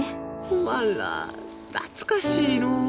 おまんら懐かしいのう。